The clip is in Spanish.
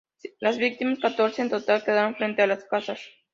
Las víctimas, catorce en total, quedaron frente a las casas.